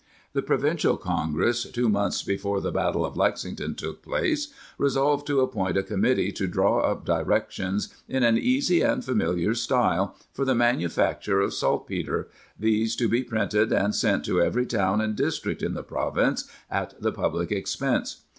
* The Provincial Congress, two months before the battle of Lexing ton took place, resolved to appoint a committee to draw up directions " in an easy and familiar style " for the manufacture of saltpetre, these to be printed and sent to every town and district in the province at the public expense.'